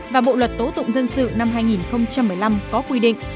và bộ luật tố tụng dân sự năm hai nghìn một mươi năm có quy định